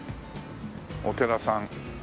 お寺さん。